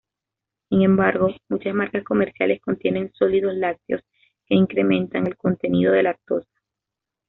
Sin embargo, muchas marcas comerciales contienen sólidos lácteos, que incrementan el contenido de lactosa.